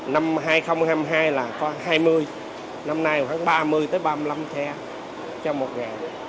năm hai nghìn hai mươi hai là có hai mươi năm nay khoảng ba mươi tới ba mươi năm xe cho một ngày